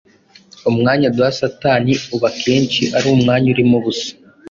Umwanya duha Satani uba akenshi ari umwanya urimo ubusa.